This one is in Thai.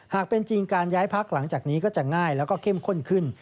หากเป็นจริงการย้ายพักหลังจากนี้ก็จะง่ายแล้วก็เข้มข้นขึ้น